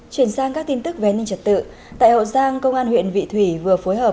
chuyển sang các tin tức về an ninh trật tự tại hậu giang công an huyện vị thủy vừa phối hợp